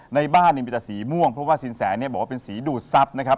ในบ้านเนี่ยมีแต่สีม่วงเพราะว่าสินแสเนี่ยบอกว่าเป็นสีดูดทรัพย์นะครับ